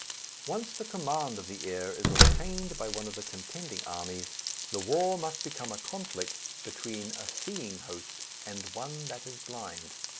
Once the command of the air is obtained by one of the contending armies, the war must become a conflict between a seeing host and one that is blind.